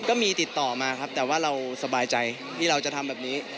ก็มีติดต่อมาครับแต่ว่าเราสบายใจที่เราจะทำแบบนี้